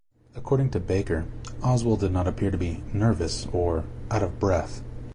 According to Baker, Oswald did not appear to be "nervous" or "out of breath.